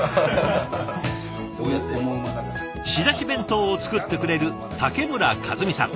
仕出し弁当を作ってくれる竹村和巳さん。